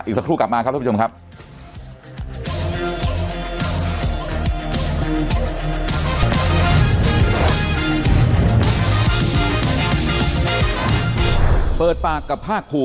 สักครู่กลับมาครับท่านผู้ชมครับ